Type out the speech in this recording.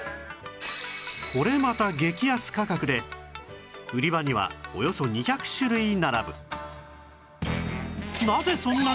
これまた激安価格で売り場にはおよそ２００種類並ぶ